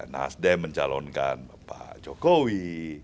nasdem mencalonkan bapak jokowi